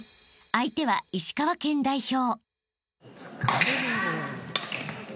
相手は石川県代表］